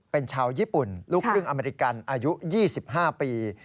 เป็นชาวญี่ปุ่นลูกครึ่งอเมริกันอายุ๒๕ปี